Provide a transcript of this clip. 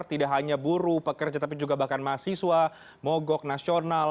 tidak hanya buru pekerja tapi juga bahkan mahasiswa mogok nasional